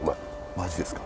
マジですか？